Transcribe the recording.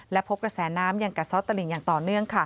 และพบกระแสน้ำยังกัดซ่อตลิ่งอย่างต่อเนื่อง